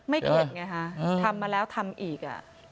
เกลียดไงฮะทำมาแล้วทำอีก